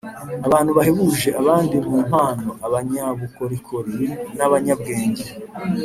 abantu bahebuje abandi mu mpano, abanyabukorikori n’abanyabwenge